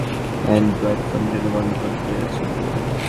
Google Play সেবাটি কয়েকটি মডেলের অ্যান্ড্রয়েড ফোনের জন্য বন্ধ করতে যাচ্ছে গুগল।